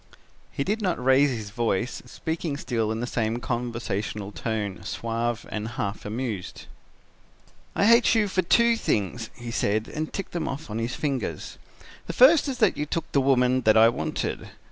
"He did not raise his voice, speaking still in the same conversational tone, suave and half amused. "'I hate you for two things,' he said, and ticked them off on his fingers: 'the first is that you took the woman that I wanted.